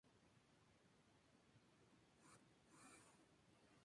Ha enseñado en la Universidad de Rutgers y dado cursos en centros internacionales.